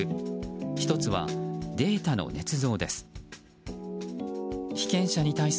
１つはデータのねつ造です。